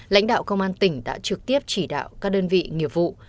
lãnh đạo công an tỉnh đã trực tiếp chỉ đạo các đơn vị nghiệp vụ